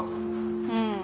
うん。